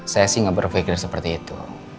saya sih nggak berpikir seperti itu